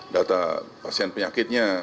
data pasien penyakitnya